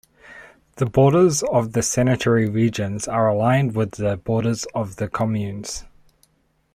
The borders of the sanitary regions are aligned with the borders of the communes.